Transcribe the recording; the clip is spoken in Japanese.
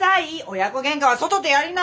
親子げんかは外でやりな！